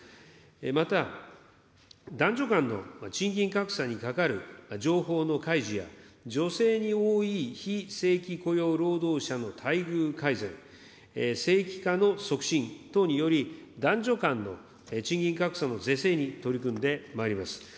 また、男女間の賃金格差にかかる情報の開示や、女性に多い非正規雇用労働者の待遇改善、正規化の促進等により、男女間の賃金格差の是正に取り組んでまいります。